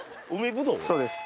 そうです。